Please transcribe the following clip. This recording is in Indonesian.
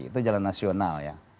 itu jalan nasional ya